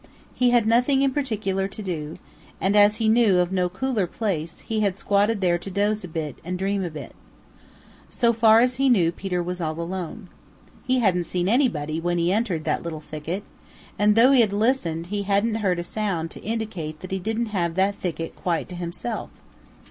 He had nothing in particular to do, and as he knew of no cooler place he had squatted there to doze a bit and dream a bit. So far as he knew, Peter was all alone. He hadn't seen anybody when he entered that little thicket, and though he had listened he hadn't heard a sound to indicate that he didn't have that thicket quite to himself.